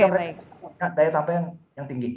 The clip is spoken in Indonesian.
sehingga mereka punya daya tampilan yang tinggi